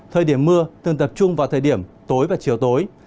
thời điểm mưa thường tập trung vào thời điểm tối và chiều tối